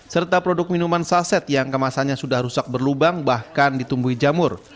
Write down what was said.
serta produk minuman saset yang kemasannya sudah rusak berlubang bahkan ditumbuhi jamur